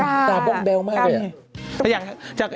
ตาบ้องแบ๊วมากเลย